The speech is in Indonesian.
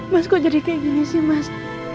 mas kok jadi kayak gini sih mas